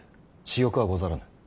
私欲はござらぬ。